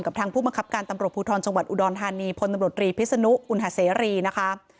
ทางผู้บังคับการตำรวจภูทรจังหวัดอุดรธานีพลตำรวจรีพิศนุอุณหาเสรีนะคะ